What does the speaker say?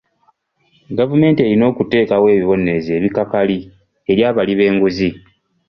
Gavumenti erina okuteekawo ebibonerezo ebikakali eri abali b'enguzi